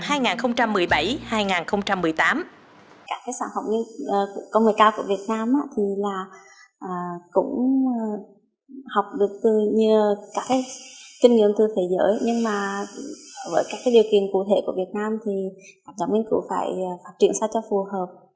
các sản phẩm công nghệ cao của việt nam cũng học được kinh nghiệm từ thế giới nhưng với các điều kiện cụ thể của việt nam nhóm nghiên cứu phải phát triển sao cho phù hợp